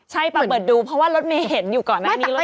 ใช่ปะเปิดดูเพราะว่ารถเมย์เห็นอยู่ก่อนนะ